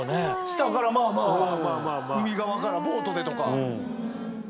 下からまぁまぁ海側からボートでとか。